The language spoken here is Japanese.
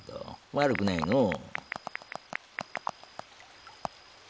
悪くないのう。